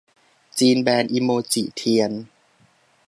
จีนแบนอิโมจิเทียน